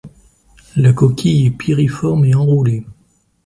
La coquille est piriforme et enroulée.